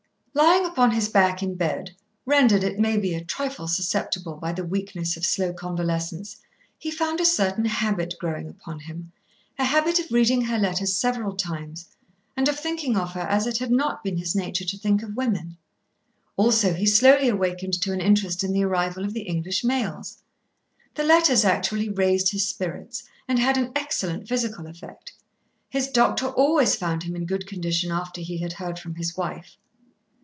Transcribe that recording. Lying upon his back in bed, rendered, it may be, a trifle susceptible by the weakness of slow convalescence, he found a certain habit growing upon him a habit of reading her letters several times, and of thinking of her as it had not been his nature to think of women; also he slowly awakened to an interest in the arrival of the English mails. The letters actually raised his spirits and had an excellent physical effect. His doctor always found him in good condition after he had heard from his wife.